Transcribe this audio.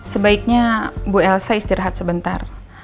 sebaiknya bu elsa istirahat sebentar